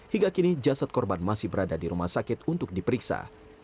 hingga kini jasad korban masih berada di rumah sakit untuk diperiksa